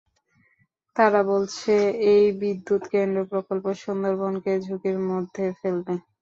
তারা বলছে, এই বিদ্যুৎকেন্দ্র প্রকল্প সুন্দরবনকে ঝুঁকির মধ্যে ফেলবে।